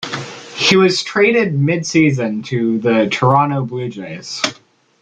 He was traded mid-season to the Toronto Blue Jays.